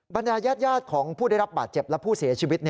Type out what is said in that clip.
บรรดายาดของผู้ได้รับบาดเจ็บและผู้เสียชีวิต